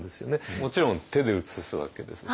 もちろん手で写すわけですし。